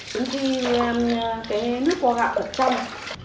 đến khi nước của gạo được trong